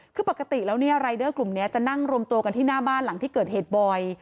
คือปกติแล้วเนี่ยรายเดอร์กลุ่มนี้จะนั่งรวมตัวกันที่หน้าบ้านหลังที่เกิดเหตุบ่อย